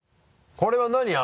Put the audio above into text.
これは何？